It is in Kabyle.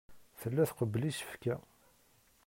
Tella tqebbel isefka.